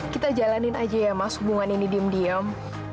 kita jalanin aja ya mas hubungan ini diem diem